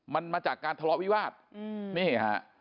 มันมาจากการทะเลาะวิวาสนี่ฮะ